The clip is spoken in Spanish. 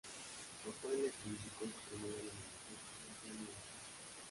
Su papel le significó su primera nominación a un premio Oscar.